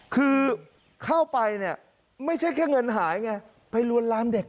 คือเข้าไปเนี่ยไม่ใช่แค่เงินหายไงไปลวนลามเด็ก